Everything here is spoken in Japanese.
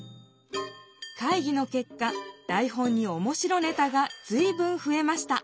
会議のけっか台本におもしろネタがずいぶんふえました。